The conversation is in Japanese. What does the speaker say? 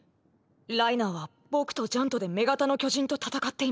ライナーは僕とジャンとで女型の巨人と戦っています。